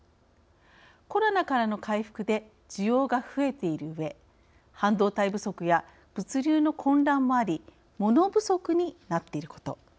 コロナからの回復で需要が増えているうえ半導体不足や物流の混乱もありモノ不足になっていること。